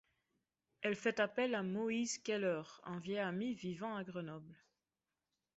Elle fait appel à Moïse Keller, un vieil ami vivant à Grenoble.